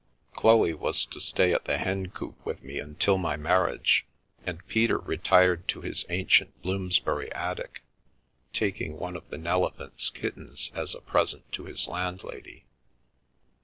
Chloe was to stay at the Hencoop with me until my marriage, and Peter retired to his ancient Bloomsbury attic, taking one of the Nelephant's kittens as a present to his landlady.